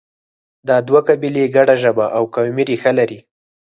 دا دوه قبیلې ګډه ژبه او قومي ریښه لري